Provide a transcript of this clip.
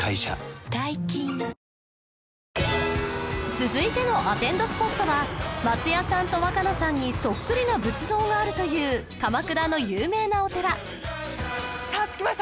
続いてのアテンドスポットは松也さんと若菜さんにそっくりな仏像があるという鎌倉の有名なお寺さあ着きました